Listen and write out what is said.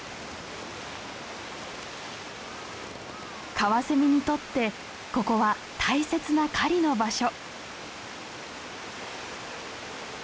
カワセミにとってここは大切な狩りの場所。